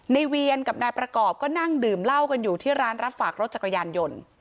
เวียนกับนายประกอบก็นั่งดื่มเหล้ากันอยู่ที่ร้านรับฝากรถจักรยานยนต์